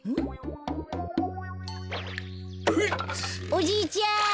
おじいちゃん！